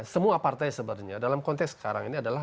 semua partai sebenarnya dalam konteks sekarang ini adalah